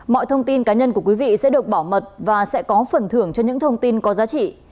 mọi thông tin cá nhân của quý vị sẽ được bảo mật và sẽ có phần thưởng cho những thông tin có giá trị